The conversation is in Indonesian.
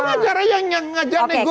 pengacaranya ngajak nego